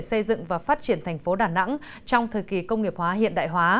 xin chào các bạn